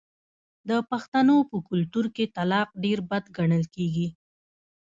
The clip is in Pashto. د پښتنو په کلتور کې طلاق ډیر بد ګڼل کیږي.